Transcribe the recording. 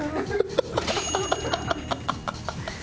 ハハハハ！